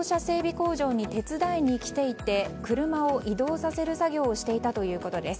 工場に手伝いに来ていて車を移動させる作業をしていたということです。